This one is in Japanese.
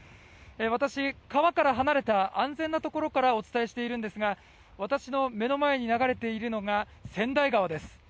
私、川から離れた安全なところからお伝えしていますが私の目の前に流れているのが川内川です。